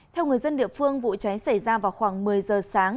theo người dân địa phương vụ cháy xảy ra vào khoảng một mươi giờ sáng